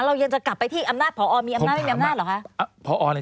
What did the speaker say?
เรายังจะกลับไปที่อำนาจพอมีอำนาจไม่มีอำนาจเหรอคะ